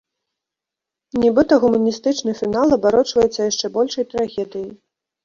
Нібыта гуманістычны фінал абарочвацца яшчэ большай трагедыяй.